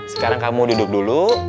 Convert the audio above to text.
sekarang kamu duduk dulu